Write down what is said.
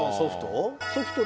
ソフトを？